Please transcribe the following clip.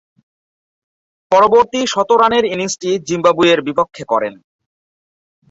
পরবর্তী শতরানের ইনিংসটি জিম্বাবুয়ের বিপক্ষে করেন।